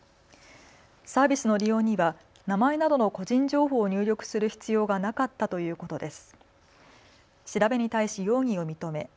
サービスの利用には名前などの個人情報を入力する必要がなかったということです。